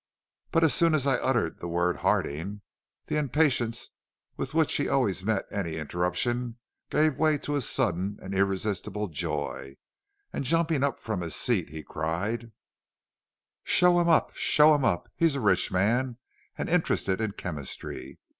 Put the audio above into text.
But as soon as I uttered the word Harding, the impatience with which he always met any interruption gave way to a sudden and irresistible joy, and, jumping up from his seat, he cried: "'Show him up! show him up. He is a rich man and interested in chemistry.